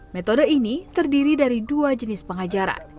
metode ini terdiri dari dua jenis pengajaran